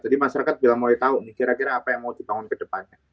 jadi masyarakat bila mulai tau nih kira kira apa yang mau dibangun kedepannya